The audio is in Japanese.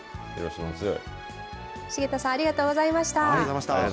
重田さんありがとうございました。